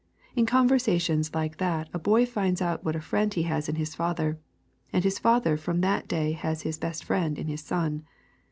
In conversations like that a boy finds out what a friend he has in his father, and his father from that day has his best friend in his son.